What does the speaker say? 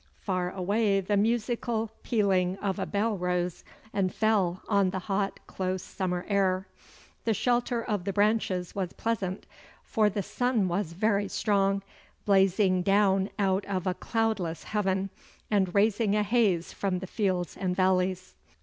Far away the musical pealing of a bell rose and fell on the hot, close summer air. The shelter of the branches was pleasant, for the sun was very strong, blazing down out of a cloudless heaven, and raising a haze from the fields and valleys.